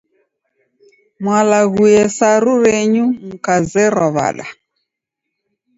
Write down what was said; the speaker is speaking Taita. Mwalaghue saru renyu mkazerwa w'ada?